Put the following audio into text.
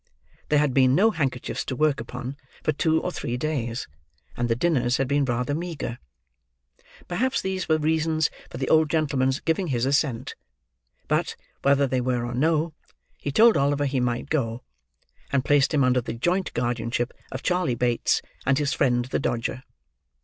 There had been no handkerchiefs to work upon, for two or three days, and the dinners had been rather meagre. Perhaps these were reasons for the old gentleman's giving his assent; but, whether they were or no, he told Oliver he might go, and placed him under the joint guardianship of Charley Bates, and his friend the Dodger.